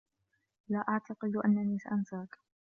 لا أعتقد أنّني سأنساك.